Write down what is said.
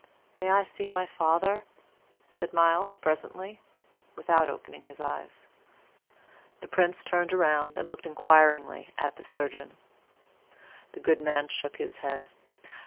"May I see my father?" said Myles, presently, without opening his eyes. The Prince turned around and looked inquiringly at the surgeon. The good man shook his head.